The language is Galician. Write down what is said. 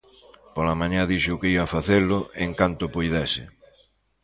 Pola mañá dixo que ía facelo en canto puidese.